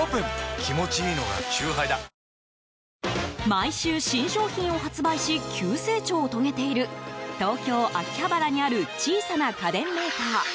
毎週、新商品を発売し急成長を遂げている東京・秋葉原にある小さな家電メーカー。